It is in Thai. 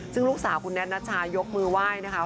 ซึ่งลูกสาวคุณแท็ตนัชชายกมือไหว้นะคะ